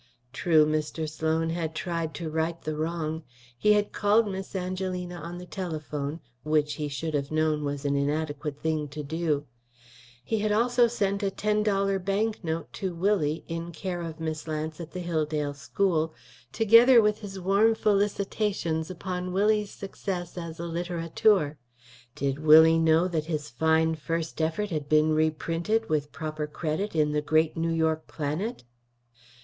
True, Mr. Sloan had tried to right the wrong; he had called Miss Angelina on the telephone, which he should have known was an inadequate thing to do; he had also sent a ten dollar bank note to Willie, in care of Miss Lance at the Hilldale School, together with his warm felicitations upon Willie's success as a littérateur. Did Willie know that his fine first effort had been reprinted, with proper credit, in the great New York Planet?